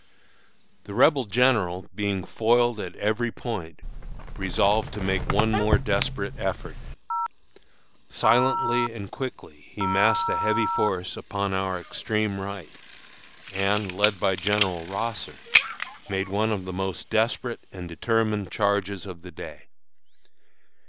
"The Rebel general, being foiled at every point, resolved to make one more desperate effort. Silently and quickly he massed a heavy force upon our extreme right, and, led by General Rosser, made one of the most desperate and determined charges of the day.